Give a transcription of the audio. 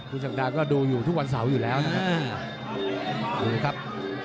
คุณศักดาก็ดูอยู่ทุกวันเสาร์อยู่แล้วนะครับ